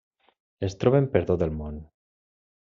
Es troben per tot el món.